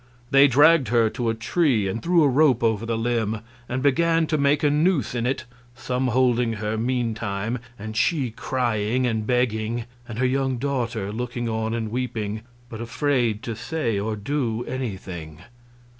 They dragged her to a tree and threw a rope over the limb, and began to make a noose in it, some holding her, meantime, and she crying and begging, and her young daughter looking on and weeping, but afraid to say or do anything.